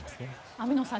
網野さん